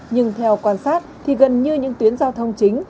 nhưng theo quan sát thì gần như những tuyến giao thông chính